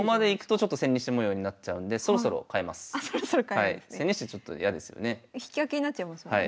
ちょっと嫌ですよね。